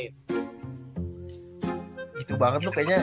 gitu banget tuh kayaknya